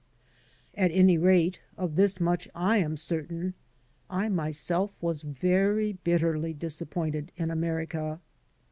At any rate, of this much I am certain: I myself was very bitterly disappointed in America.